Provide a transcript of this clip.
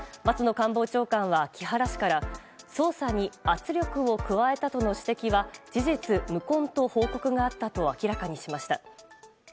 官房長官は木原氏から捜査に圧力を加えたとの指摘は事実無根と報告があったと明らかにしました。